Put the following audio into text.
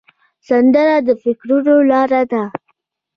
سندره د فکرونو لاره ده